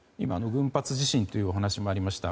群発地震というお話もありました。